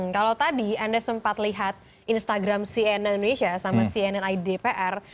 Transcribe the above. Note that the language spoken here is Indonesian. kalau tadi anda sempat lihat instagram cnn indonesia sama cnn idpr